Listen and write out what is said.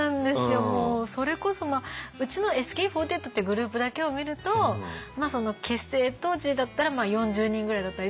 それこそまあうちのＳＫＥ４８っていうグループだけを見ると結成当時だったら４０人ぐらいだったり